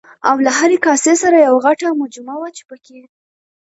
او له هرې کاسې سره یوه غټه مجمه وه چې پکې